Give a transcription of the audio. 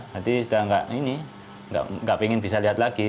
nanti sudah tidak ingin bisa lihat lagi